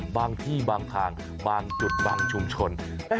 บางที่บางทางบางจุดบางชุมชน